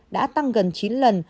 đã tăng gần chín lần